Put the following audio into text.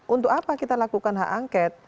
untuk apa kita lakukan hak angket